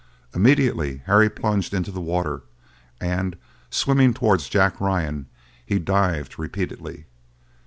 Immediately Harry plunged into the water, and, swimming towards Jack Ryan, he dived repeatedly.